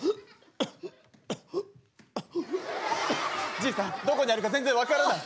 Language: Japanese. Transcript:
じいさんどこにあるか全然分からない。